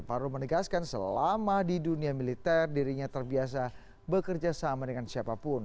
fahru menegaskan selama di dunia militer dirinya terbiasa bekerja sama dengan siapapun